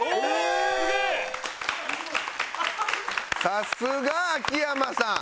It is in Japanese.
さすが秋山さん。